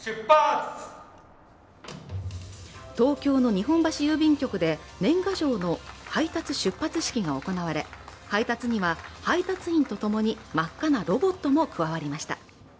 東京の日本橋郵便局で年賀状の配達出発式が行われ、配達には配達員とともに真っ赤なロボットも加わりました。